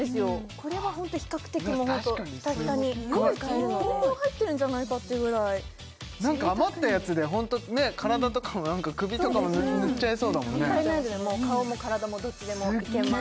これはホント比較的ヒタヒタに使えるので美容液入ってるんじゃないかっていうぐらい贅沢に余ったやつでホント体とかも首とかも塗っちゃえそうだもんねもったいないのでもう顔も体もどっちでもいけます